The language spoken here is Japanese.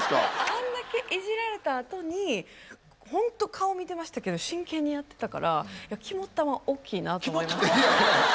あんだけいじられたあとにホント顔見てましたけど真剣にやってたから肝っ玉おっきいなと思いました。